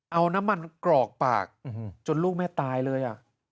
เอาน้ำมันกรอกปากจนลูกแม่ตายเลย